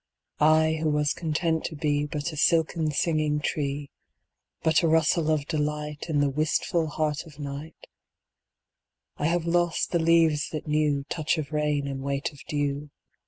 I who was content to beBut a silken singing tree, But a rustle of delightIn the wistful heart of night,I have lost the leaves that knewTouch of rain and weight of dew.